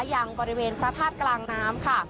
ยังบริเวณพระธาตุกลางน้ำค่ะ